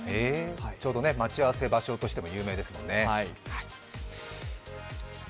ちょうど待ち合わせ場所としても有名ですもんね。